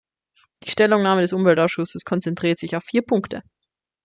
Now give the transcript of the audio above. Die Stellungnahme des Umweltausschusses konzentriert sich auf vier Punkte.